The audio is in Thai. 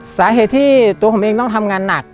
สาเหตุที่ตัวผมเองต้องทำงานหนัก